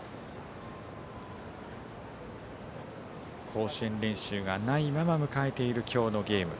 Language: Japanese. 甲子園練習がないまま迎えている今日のゲーム。